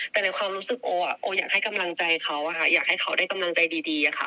แต่ในความรู้สึกโอโออยากให้กำลังใจเขาอยากให้เขาได้กำลังใจดีค่ะ